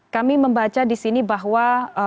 kami membaca disini bahwa